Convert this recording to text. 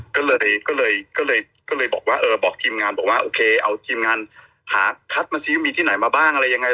ก็เลยบอกทีมงานบอกว่าโอเคเอาทีมงานหาคัดมาซื้อมีที่ไหนมาบ้างอะไรยังไง